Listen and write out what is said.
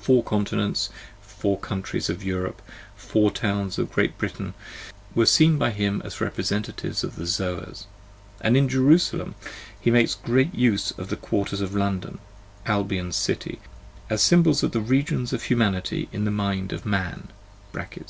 Four continents, four countries of Europe, four towns of Great Britain, were seen by him as repre / sentatives of the Zoas: and in "Jerusalem" he makes great use of ' the quarters of London, Albion's city, as symbols of the " regions of humanity " in the mind of man (38, 43).